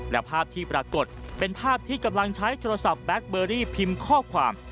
และภาพที่ปรากฏเป็นภาพที่กำลังใช้โทรศัพท์แบ็คเบอรี่พิมพ์ข้อความ